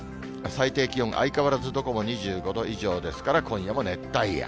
最低気温が相変わらずどこも２５度以上ですから、今夜も熱帯夜。